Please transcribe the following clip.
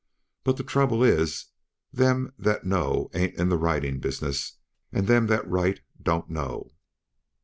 But the trouble is, them that know ain't in the writing business, and them that write don't know.